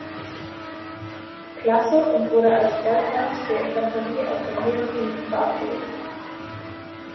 Klasse und wurde als Leutnant der Infanterie aus dem Heeresdienst verabschiedet.